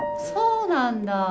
そうなんだ。